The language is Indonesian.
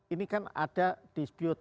ini kan ada dispute